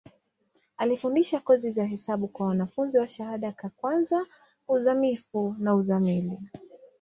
Alifundisha kozi za hesabu kwa wanafunzi wa shahada ka kwanza, uzamivu na uzamili.